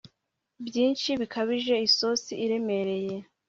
byinshi bikabije isosi iremereye